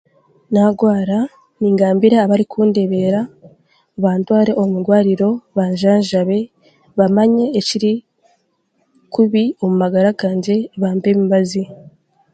Nagwara ningambira abarikundeeberera bantware omu irwariro banjaajabe bamanye ekiri kubi omu magara gangye bampe emibazi